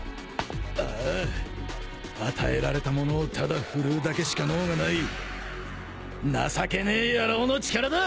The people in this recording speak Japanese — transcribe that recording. ああ与えられたものをただ振るうだけしか能がない情けねえ野郎の力だ！